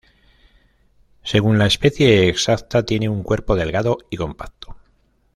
Según la especie exacta, tienen un cuerpo delgado y compacto.